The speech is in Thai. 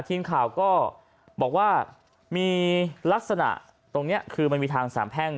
ทีมข่าวก็บอกว่ามีลักษณะตรงนี้คือมันมีทางสามแพ่ง